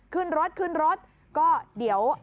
ขึ้นรถก็เดี๋ยว